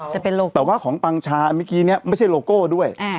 แต่ว่าของปังชาเมื่อกี้เนี่ยไม่ใช่โลโก้ด้วย